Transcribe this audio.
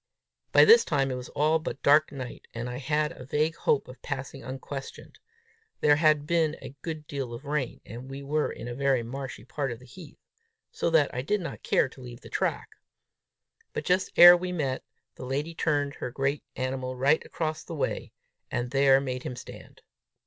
By this time it was all but dark night, and I had a vague hope of passing unquestioned: there had been a good deal of rain, and we were in a very marshy part of the heath, so that I did not care to leave the track. But, just ere we met, the lady turned her great animal right across the way, and there made him stand.